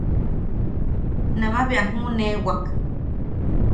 Nama bea juʼuneewak.